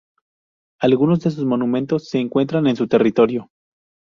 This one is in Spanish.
Algunos de sus monumentos se encuentran en su territorio.